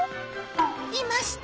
いました！